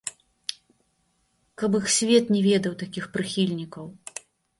Каб іх свет не ведаў, такіх прыхільнікаў!